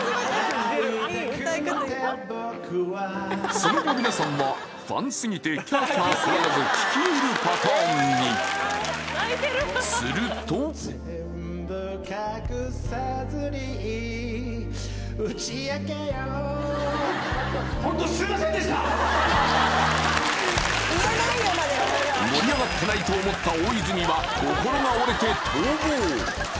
その後皆さんはファンすぎてキャーキャー騒がず聞き入るパターンにすると盛り上がってないと思った・洋